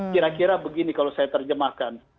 kira kira begini kalau saya terjemahkan